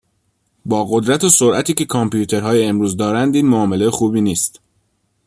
با قدرت و سرعتی که کامپیوترهای امروز دارند این معامله خوبی نیست.